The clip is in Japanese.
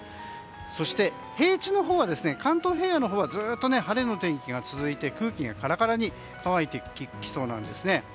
そして、平地のほうは関東平野のほうはずっと晴れの天気が続いて空気がカラカラに乾いてきそうです。